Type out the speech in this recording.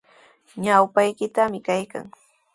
Ñawpaykitrawmi kaykan.